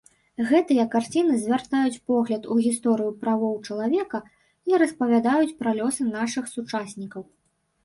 Гэтыя карціны звяртаюць погляд у гісторыю правоў чалавека і распавядаюць пра лёсы нашых сучаснікаў.